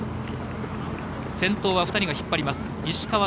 先頭は２人が引っ張ります。